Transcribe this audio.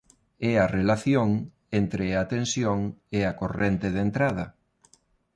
É a relación entre a tensión e a corrente de entrada.